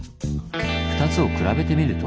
２つを比べてみると。